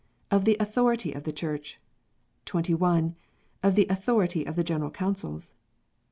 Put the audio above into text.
Of the Authority of the Church. 21. Of the Authority of General Councils.